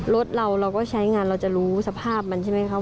รถเราก็ใช้งานจะรู้สภาพมันใช่ไหมครับ